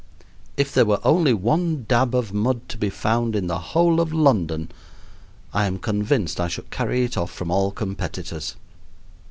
If there were only one dab of mud to be found in the whole of London, I am convinced I should carry it off from all competitors.